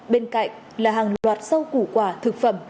bên cạnh là hàng loạt rau củ quả thực phẩm